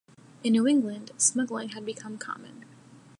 In New England, smuggling had become common.